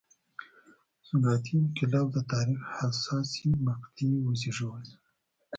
صنعتي انقلاب د تاریخ حساسې مقطعې وزېږولې.